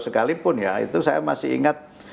sekalipun ya itu saya masih ingat